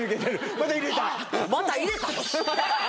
また入れた？